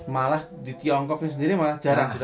malah di tiongkok sendiri malah jarang gitu